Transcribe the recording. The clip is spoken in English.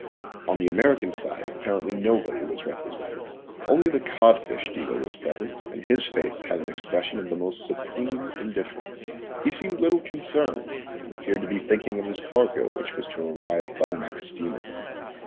On the American side apparently nobody was represented. Only the codfish dealer was present and his face had an expression of the most supreme indifference. He seemed little concerned and appeared to be thinking of his cargo which was to arrive by the next steamer.